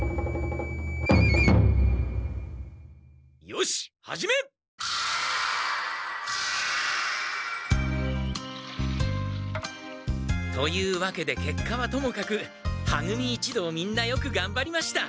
よし始め！というわけでけっかはともかくは組一同みんなよくがんばりました。